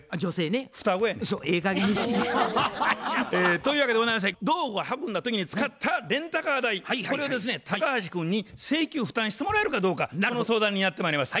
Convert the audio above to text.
というわけでございまして道具を運んだ時に使ったレンタカー代これをですね高橋君に請求負担してもらえるかどうかその相談にやってまいりました。